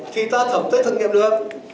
thì ta thẩm tế thực nghiệm được không